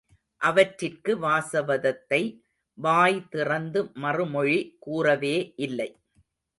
அவற்றிற்கு வாசவதத்தை வாய் திறந்து மறுமொழி கூறவே இல்லை.